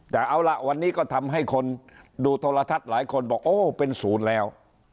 แต่เอาล่ะวันนี้ก็ทำให้คนดูโทรทัศน์หลายคนบอกโอ้เป็นศูนย์แล้ว